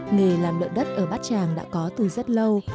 nghề làm lợn đất ở bát tràng đã có từ rất lâu